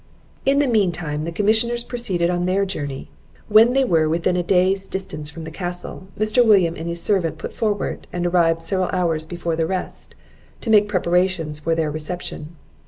In the mean time, the commissioners proceeded on their journey. When they were within a day's distance from the castle, Mr. William and his servant put forward, and arrived several hours before the rest, to make preparations for their reception.